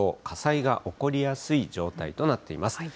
火災が起こりやすい状態となっています。